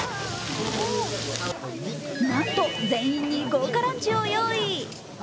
なんと全員に豪華ランチを用意。